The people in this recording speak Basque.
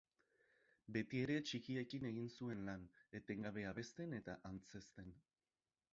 Betiere txikiekin egin zuen lan, etengabe abesten eta antzezten.